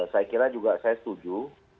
saya kira juga saya setuju